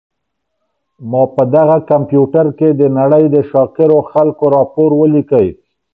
ما په دغه کمپیوټر کي د نړۍ د شاکرو خلکو راپور ولیکلی.